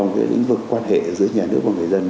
cái lĩnh vực quan hệ giữa nhà nước và người dân